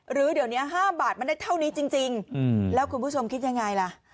หรือเดี๋ยวนี้๕บาทมันได้เท่านี้จริงแล้วคุณผู้ชมคิดยังไงล่ะ